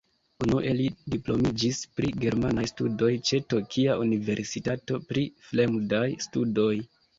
Unue li diplomiĝis pri germanaj studoj ĉe Tokia Universitato pri Fremdaj Studoj.